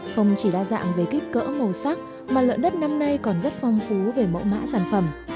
không chỉ đa dạng về kích cỡ màu sắc mà lợn đất năm nay còn rất phong phú về mẫu mã sản phẩm